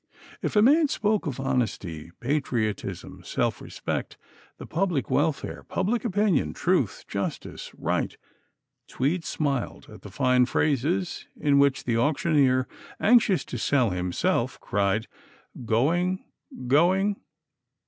If a man spoke of honesty, patriotism, self respect, the public welfare, public opinion, truth, justice, right, Tweed smiled at the fine phrases in which the auctioneer, anxious to sell himself, cried, "Going! going!"